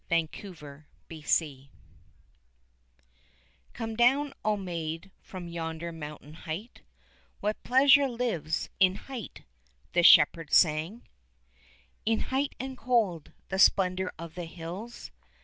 COME DOWN, O MAID Come down, O maid, from yonder mountain height: What pleasure lives in height (the shepherd sang), In height and cold, the splendour of the hills?